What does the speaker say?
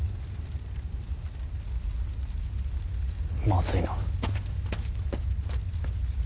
まずいな。